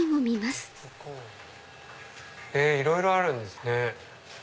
へぇいろいろあるんですね。